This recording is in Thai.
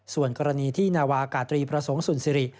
ส่วนกรณีที่นาวากาศธรีพระทรงสุนศิริ